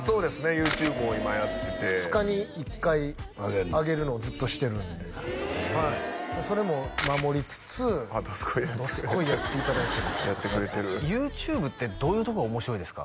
ＹｏｕＴｕｂｅも今やってて２日に１回上げるのをずっとしてるんではいそれも守りつつあっ「どすこい」やってくれて「どすこい」やっていただいてるやってくれてるＹｏｕＴｕｂｅってどういうところが面白いですか？